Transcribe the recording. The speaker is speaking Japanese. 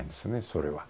それは。